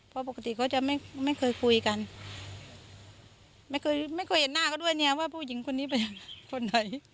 เพราะปกติเขาจะไม่ไม่เคยคุยกันไม่เคยไม่เคยเห็นหน้าเขาด้วยเนี่ยว่าผู้หญิงคนนี้เป็นคนไหน